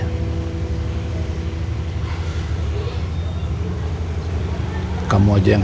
makin parah sakitnya